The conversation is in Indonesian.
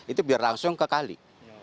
itu biar langsung ke kali